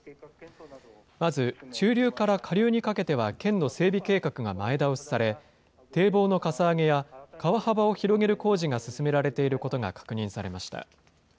まず、中流から下流にかけては県の整備計画が前倒しされ、堤防のかさ上げや、川幅を広げる工事が進められていることが確認されました。